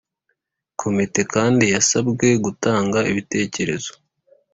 Komite kandi yasabwe gutanga ibitekerezo